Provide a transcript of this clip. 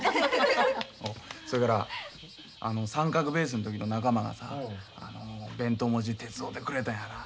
それからあの三角ベースの時の仲間がさ弁当持ちで手伝うてくれたんやら。